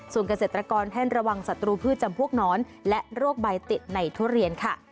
ส่วนเกษตรกรแพ่นระวังศัตรูพืชจำพวกหนอนและโรคใบติดในทุเรียนค่ะ